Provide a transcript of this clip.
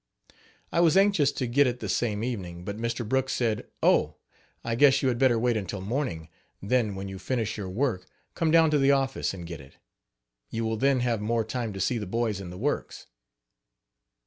I was anxious to get it the same evening, but Mr. Brooks said: "Oh! I guess you had better wait until morning, then when you finish your work come down to the office and get it you will then have more time to see the boys in the works.